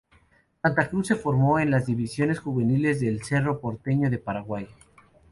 Santacruz se formó en las divisiones juveniles del Cerro Porteño de Paraguay.